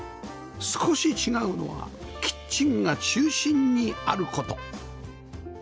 少し違うのはキッチンが中心にある事